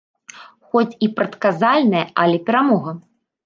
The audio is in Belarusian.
Хоць і прадказальная, але перамога.